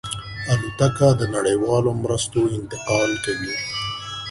الوتکه د نړیوالو مرستو انتقال کوي.